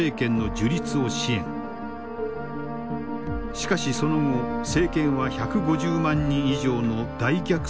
しかしその後政権は１５０万人以上の大虐殺を行った。